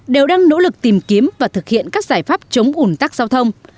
đều đang nỗ lực tìm kiếm và thực hiện các giải pháp chống ủn tắc giao thông